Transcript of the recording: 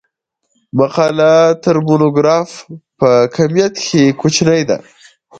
مقاله تر مونوګراف په کمیت کښي کوچنۍ ده.